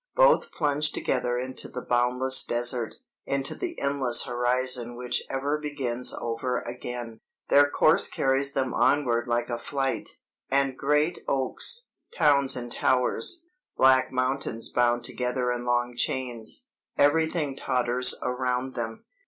Both plunge together into the boundless desert, into the endless horizon which ever begins over again. Their course carries them onward like a flight, and great oaks, towns and towers, black mountains bound together in long chains, everything totters around them.